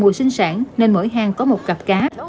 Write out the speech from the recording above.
mùa này là mùa sinh sản nên mỗi hang có một cặp cá